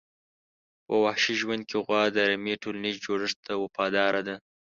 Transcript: په وحشي ژوند کې غوا د رمي ټولنیز جوړښت ته وفاداره ده.